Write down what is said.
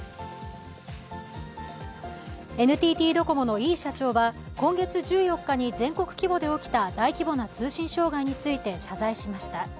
ＮＴＴドコモの井伊社長は全国規模で起きた大規模な通信障害について謝罪しました。